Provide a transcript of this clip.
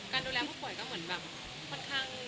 ดูแลผู้ป่วยก็เหมือนแบบค่อนข้าง